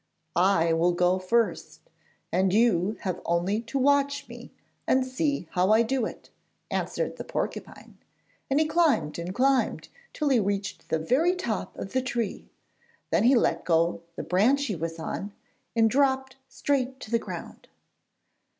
'I will go first, and you have only to watch me and see how I do it,' answered the porcupine, and he climbed and climbed till he reached the very top of the tree. Then he let go the branch he was on, and dropped straight to the ground.